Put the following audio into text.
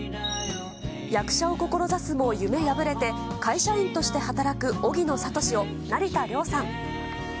役者を志すも夢破れて、会社員として働く荻野智史を成田凌さん。